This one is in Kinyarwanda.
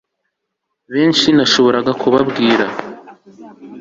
benshi, nashoboraga kubabwira